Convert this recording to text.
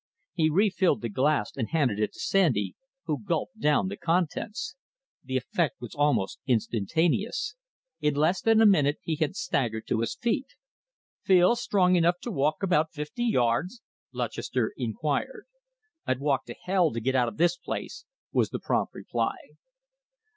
He refilled the glass and handed it to Sandy, who gulped down the contents. The effect was almost instantaneous. In less than a minute he had staggered to his feet. "Feel strong enough to walk about fifty yards?" Lutchester inquired. "I'd walk to hell to get out of this place!" was the prompt reply.